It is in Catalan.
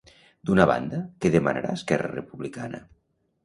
D'una banda, què demanarà Esquerra Republicana?